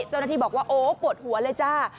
เจ้าหน้าที่บอกว่าโอ้ปวดหัวเลยจ้า